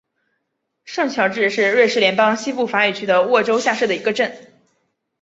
圣乔治是瑞士联邦西部法语区的沃州下设的一个镇。